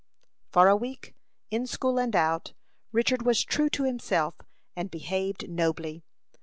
For a week, in school and out, Richard was true to himself, and behaved nobly.